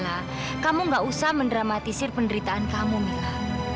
udah lah mila kamu gak usah mendramatisir penderitaan kamu mila